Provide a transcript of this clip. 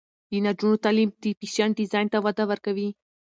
د نجونو تعلیم د فیشن ډیزاین ته وده ورکوي.